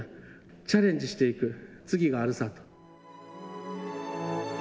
チャレンジしていく、次があるさと。